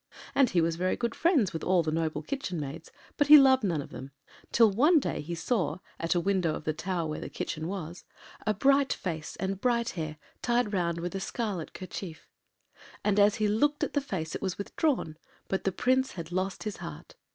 And he was very good friends with all the noble kitchen maids, but he loved none of them, till one day he saw, at a window of the tower where the kitchen was, a bright face and bright hair tied round with a scarlet kerchief. And as he looked at the face it was withdrawn—but the Prince had lost his heart.